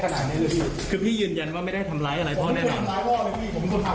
คือพี่ยืนยันว่าไม่ได้ทำร้ายอะไรพ่อแน่นอน